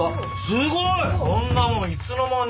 すごい！こんなものいつの間に。